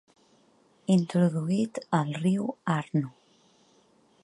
Introduït al riu Arno.